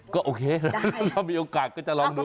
ก็โอเคถ้ามีโอกาสก็จะลองดู